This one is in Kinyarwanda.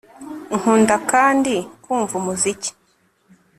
Nkunda kandi kumva umuziki